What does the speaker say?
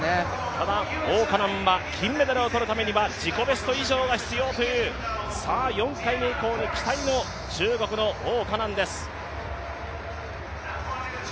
ただ王嘉男は金メダルを取るためには自己ベスト以上が必要という、４回目以降の期待の中国の王嘉男です。